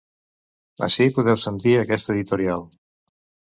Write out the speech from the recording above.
Ací podeu sentir aquest editorial.